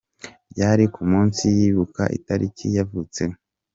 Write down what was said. Byari ku munsi yibuka itariki yavutseho.